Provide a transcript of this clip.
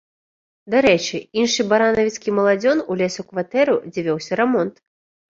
Дарэчы, іншы баранавіцкі маладзён улез у кватэру, дзе вёўся рамонт.